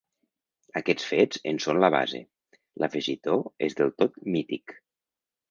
Aquests fets en són la base; l'afegitó és del tot mític”.